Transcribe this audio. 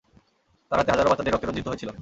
তার হাতে হাজারো বাচ্চাদের রক্তে রঞ্জিত হয়েছিল।